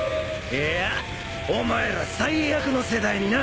いやお前ら最悪の世代にな。